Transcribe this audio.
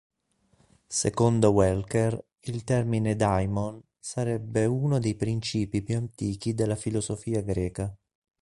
Secondo Welker, il termine "daimon" sarebbe uno dei principi più antichi della filosofia greca.